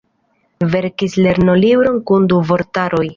Verkis lernolibron kun du vortaroj.